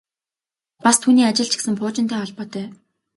Бас түүний ажил ч гэсэн пуужинтай холбоотой.